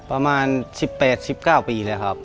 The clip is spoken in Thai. ประมาณ๑๘๑๙ปีเลยครับ